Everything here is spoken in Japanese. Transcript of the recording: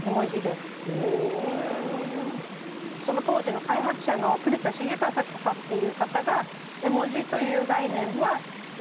その当時の開発者の栗田穣崇さんっていう方が「絵文字」という概念は発明したんですね。